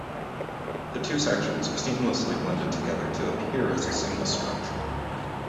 The two sections are seamlessly blended together to appear as a single structure.